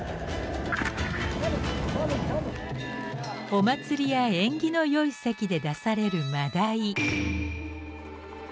お祭りや縁起の良い席で出される真鯛。